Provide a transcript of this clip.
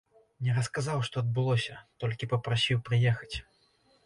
Не расказаў, што адбылося, толькі папрасіў прыехаць.